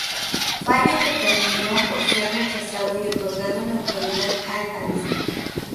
Fallo que terminó por ser rechazado y otorgado la autoridad a Altavista.